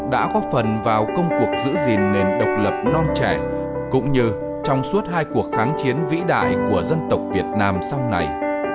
đã góp phần vào công cuộc giữ gìn nền độc lập non trẻ cũng như trong suốt hai cuộc kháng chiến vĩ đại của dân tộc việt nam sau này